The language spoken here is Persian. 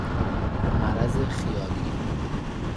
مرض خیالی